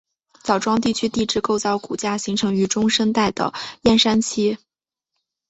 枣庄地区地质构造骨架形成于中生代的燕山期。